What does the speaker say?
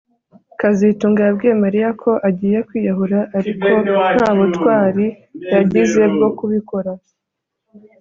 kazitunga yabwiye Mariya ko agiye kwiyahura ariko nta butwari yagize bwo kubikora